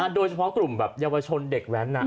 โดยเฉพาะกลุ่มแบบเยาวชนเด็กแว้น